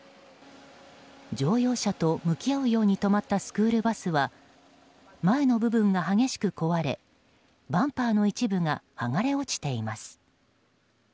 乗用車と向き合うように止まったスクールバスは前の部分が激しく壊れバンパーの一部が剥がれ落ちています。